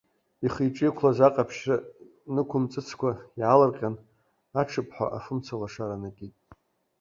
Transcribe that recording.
Ихы-иҿы иқәлаз аҟаԥшьра нықәымҵыцқәа, иаалырҟьаны, аҽыԥҳәа афымца лашара накит.